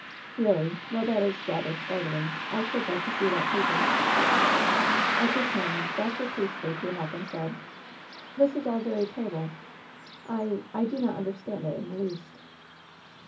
"Eeally? Well, that is rather startling. I should like to see that paper/* At this moment Dr. Priestly came up, and said: "This is all very terrible. I — ^I do not understand it in the least.'